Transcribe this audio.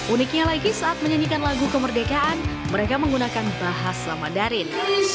uniknya lagi saat menyanyikan lagu kemerdekaan mereka menggunakan bahasa madarin